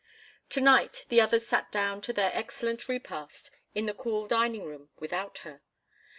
Tonight the others sat down to their excellent repast in the cool dining room without her.